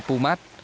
bảo vệ rừng pumat